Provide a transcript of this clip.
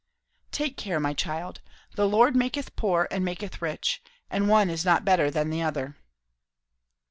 "Take care, my child. 'The Lord maketh poor and maketh rich;' and one is not better than the other."